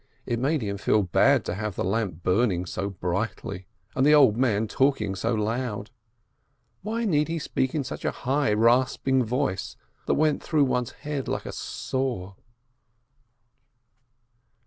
It made him feel bad to have the lamp burning so brightly and the old man talk ing so loud. Why need he speak in such a high, rasp ing voice that it went through one's head like a saw?